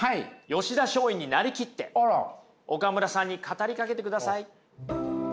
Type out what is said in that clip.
吉田松陰になりきって岡村さんに語りかけてください。